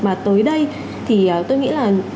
mà tới đây thì tôi nghĩ là